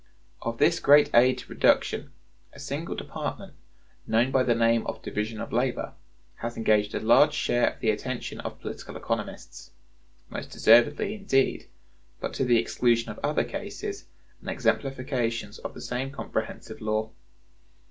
Of this great aid to production, a single department, known by the name of Division of Labor, has engaged a large share of the attention of political economists; most deservedly, indeed, but to the exclusion of other cases and exemplifications of the same comprehensive law.